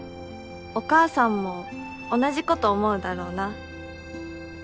お母さんも同じこと思うだろうな。